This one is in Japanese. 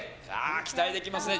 期待できますね。